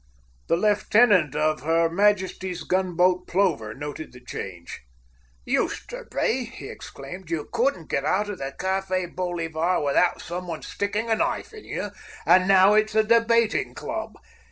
The lieutenant of her Majesty's gun boat Plover noted the change. "Used to be," he exclaimed, "you couldn't get out of the Café Bolivar without some one sticking a knife in you; now it's a debating club.